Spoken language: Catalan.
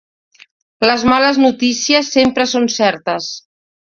Les males notícies sempre són certes.